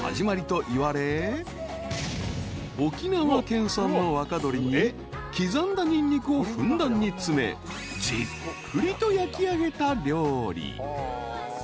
沖縄県産の若鶏に刻んだニンニクをふんだんに詰めじっくりと焼きあげた料理］